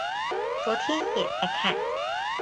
昨天也在看